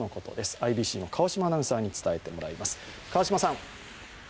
ＩＢＣの川島アナウンサーに伝えてもらいます。